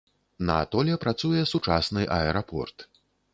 На атоле працуе сучасны аэрапорт.